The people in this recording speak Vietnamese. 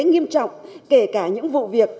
nghiêm trọng kể cả những vụ việc